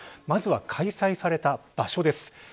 まずは開催された場所です。